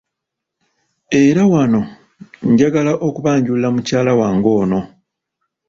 Era wano njagala okubanjulira mukyala wange ono.